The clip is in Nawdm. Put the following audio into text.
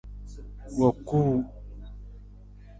Wa kuu.